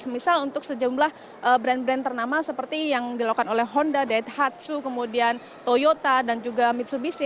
misal untuk sejumlah brand brand ternama seperti yang dilakukan oleh honda daid hatsu kemudian toyota dan juga mitsubishi